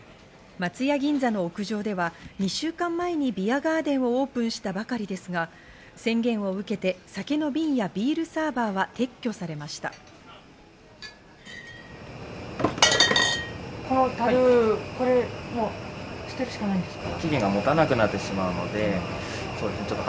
松屋銀座の屋上では２週間前にビアガーデンをオープンしたばかりですが、宣言を受けて、酒の瓶やビールサーバーは撤去されました。